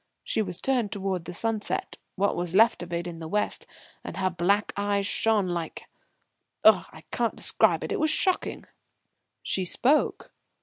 She was turned towards the sunset what was left of it in the west and her black eyes shone like ugh! I can't describe it it was shocking." "She spoke?"